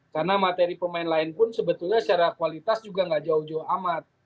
karena materi pemain lain pun sebetulnya secara kualitas juga nggak jauh jauh amat